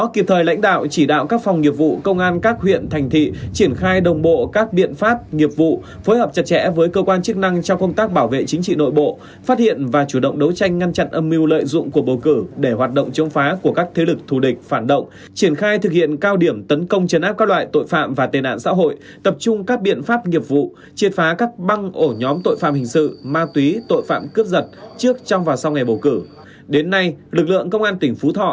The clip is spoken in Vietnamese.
từ thời lãnh đạo chỉ đạo các phòng nghiệp vụ công an các huyện thành thị triển khai đồng bộ các biện pháp nghiệp vụ phối hợp chặt chẽ với cơ quan chức năng cho công tác bảo vệ chính trị nội bộ phát hiện và chủ động đấu tranh ngăn chặn âm mưu lợi dụng của bầu cử để hoạt động chống phá của các thế lực thù địch phản động triển khai thực hiện cao điểm tấn công chấn áp các loại tội phạm và tên ạn xã hội tập trung các biện pháp nghiệp vụ triệt phá các băng ổ nhóm tội phạm hình sự ma túy tội phạm cướp gi